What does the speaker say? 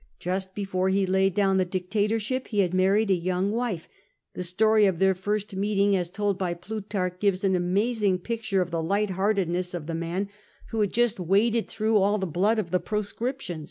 Just before he laid down the dictatorship he had married a young wife : the story of their first meeting, as told by Plutarch, gives an amazing picture of the light heartedness of the man who had just waded through all the blood of the Proscription.